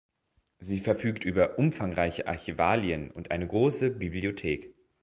Sie verfügt über umfangreiche Archivalien und eine große Bibliothek.